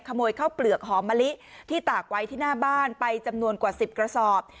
ข้าวเปลือกหอมมะลิที่ตากไว้ที่หน้าบ้านไปจำนวนกว่า๑๐กระสอบ